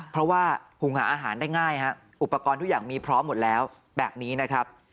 เพราะว่าหุงหาอาหารได้ง่ายฮะอุปกรณ์ทุกอย่างมีพร้อมหมดแล้วแบบนี้นะครับ